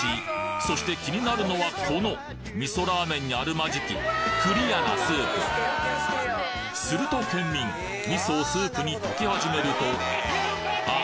そして気になるのはこの味噌ラーメンにあるまじきクリアなスープすると県民味噌をスープに溶き始めるとあっ！